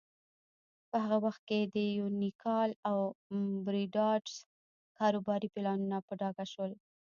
په هغه وخت کې د یونیکال او بریډاس کاروباري پلانونه په ډاګه شول.